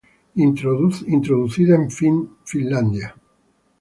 Introducida en Finlandia.